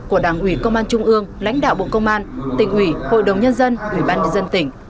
của đảng ủy công an trung ương lãnh đạo bộ công an tỉnh ủy hội đồng nhân dân ủy ban nhân dân tỉnh